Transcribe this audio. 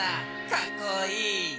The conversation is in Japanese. かっこいい。